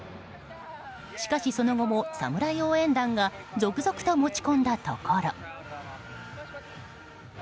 しかし、その後もサムライ応援団が続々と持ち込んだところ。